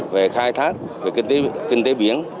về khai thác về kinh tế biển